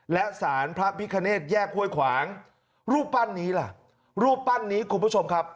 และสารพระพิคเนตแยกห้วยขวางรูปปั้นนี้ล่ะรูปปั้นนี้คุณผู้ชมครับ